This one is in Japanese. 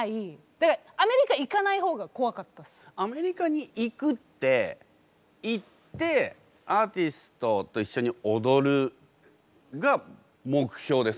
だからアメリカに行くって「行ってアーティストと一緒に踊る」が目標ですか？